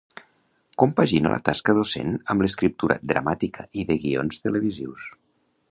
Compagina la tasca docent amb l'escriptura dramàtica i de guions televisius.